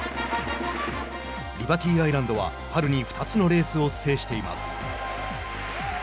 リバティアイランドは春に２つのレースを制しています。